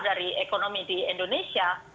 dari ekonomi di indonesia